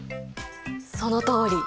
そのとおり！